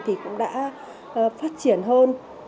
thì cũng đã phát triển hơn